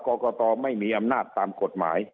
เพราะว่ากอกตอไม่มีอำนาจตามกฎหมาย